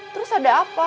terus ada apa